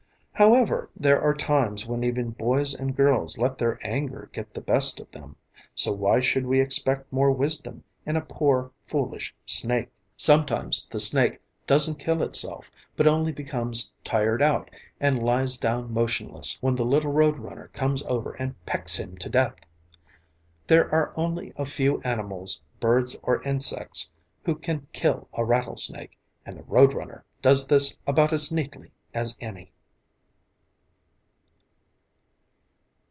However, there are times when even boys and girls let their anger get the best of them, so why should we expect more wisdom in a poor, foolish snake! Sometimes the snake doesn't kill itself, but only becomes tired out and lies down motionless, when the little road runner comes over and pecks him to death. There are only a few animals, birds or insects who can kill a rattlesnake, and the road runner does this about as neatly as any.